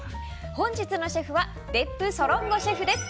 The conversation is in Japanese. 本日のシェフは別府ソロンゴシェフです。